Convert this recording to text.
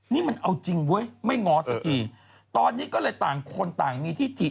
นี่มันเอาจริงเว้ยไม่ง้อสักทีตอนนี้ก็เลยต่างคนต่างมีที่ถี